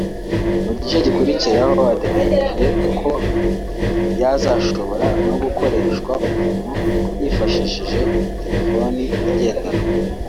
Mu gice gikurikiraho hateganyijwe ko yazashobora no gukoreshwa umuntu yifashishije telefoni igendanwa